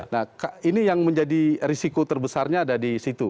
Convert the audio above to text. nah ini yang menjadi risiko terbesarnya ada di situ